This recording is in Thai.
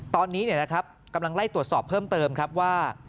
ตอนนี้กำลังไล่ตรวจสอบเพิ่มเติมครับว่า